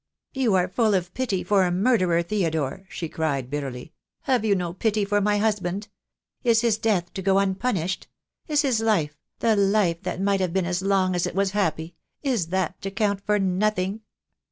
"You are full of pity for a murderer, Theodore," she cried bitterly. "Have you no pity for my husband? Is his death to go unpunished? Is his life — the life that might have been as long as it was happy — is that to count for nothing?"